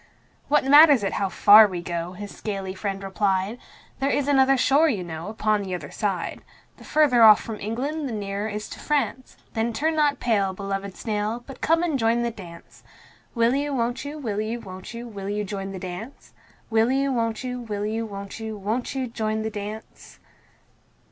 "What matters it how far we go?" his scaly friend replied. "There is another shore, you know, upon the other side. The further off from England the nearer is to France Then turn not pale, beloved snail, but come and join the dance. Will you, won't you, will you, won't you, will you join the dance? Will you, won't you, will you, won't you, won't you joint the dance?